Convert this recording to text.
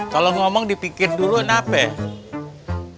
kalau ngomong dipikir dulu kenapa ya